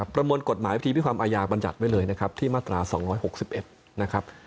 ประมวลกฎหมายพิธีพิความอาญาบัญญัติไว้เลยที่มาตรา๒๖๑